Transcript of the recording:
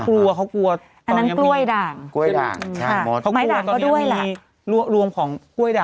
แล้ว๑๐๐๐กับทุกบ้านด้วยนะ